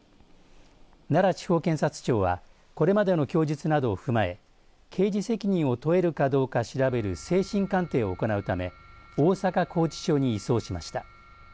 奈良地方検察庁はこれまでの供述などを踏まえ刑事責任を問えるかどうか調べる精神鑑定を行うため大阪拘置所に移送しました。